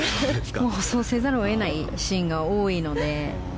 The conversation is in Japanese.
そうせざるを得ないシーンが多いので。